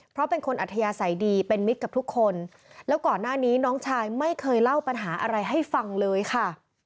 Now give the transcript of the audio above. เพราะเป็นคนอัธยาศัยดีเป็นมิตรกับทุกคนแล้วก่อนหน้านี้น้องชายไม่เคยเล่าปัญหาอะไรให้ฟังเลยค่ะ